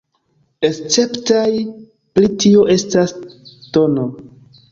Esceptaj pri tio estas tn.